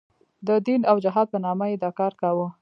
د دین او جهاد په نامه یې دا کار کاوه.